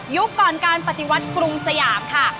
ก่อนการปฏิวัติกรุงสยามค่ะ